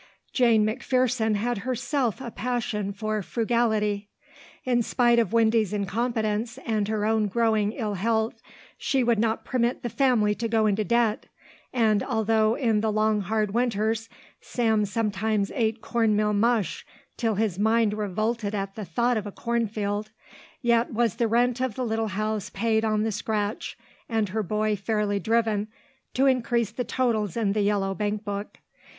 Jane McPherson had herself a passion for frugality. In spite of Windy's incompetence and her own growing ill health, she would not permit the family to go into debt, and although, in the long hard winters, Sam sometimes ate cornmeal mush until his mind revolted at the thought of a corn field, yet was the rent of the little house paid on the scratch, and her boy fairly driven to increase the totals in the yellow bankbook.